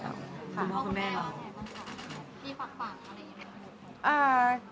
คุณพ่อคุณแม่เพาะอะไรนะ